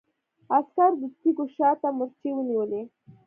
عسکرو د تيږو شا ته مورچې ونيولې.